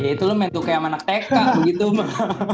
ya itu lu main tuh kayak anak teka begitu mah